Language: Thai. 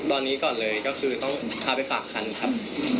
ตอนนี้ก่อนเลยก็คือต้องพาไปฝากคันครับ